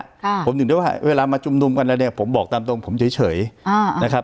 ค่ะผมถึงได้ว่าเวลามาชุมนุมกันแล้วเนี่ยผมบอกตามตรงผมเฉยเฉยอ่านะครับ